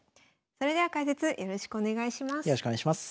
それでは解説よろしくお願いします。